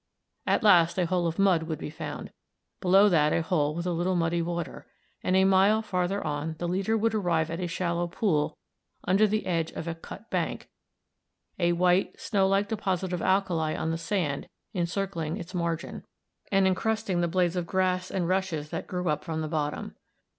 At last a hole of mud would be found, below that a hole with a little muddy water, and a mile farther on the leader would arrive at a shallow pool under the edge of a "cut bank," a white, snow like deposit of alkali on the sand encircling its margin, and incrusting the blades of grass and rushed that grew up from the bottom.